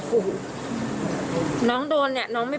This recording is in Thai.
ว่าน้องดวนแบบนี้